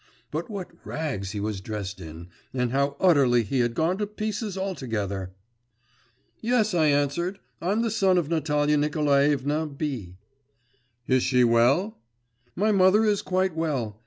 But what rags he was dressed in, and how utterly he had gone to pieces altogether! 'Yes,' I answered, 'I'm the son of Natalia Nikolaevna B.' 'Is she well?' 'My mother is quite well.